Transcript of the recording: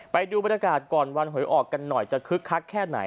ไปดูบรรยากาศก่อนวันหวยออกกันหน่อยจะคึกคักแค่ไหน